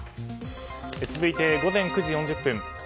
続いて、午前９時４０分。